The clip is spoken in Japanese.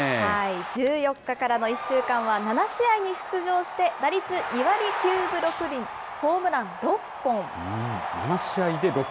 １４日からの１週間は７試合に出場して、打率２割９分６厘、ホームラン６本。